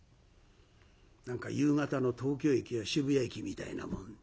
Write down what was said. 何か夕方の東京駅や渋谷駅みたいなもん。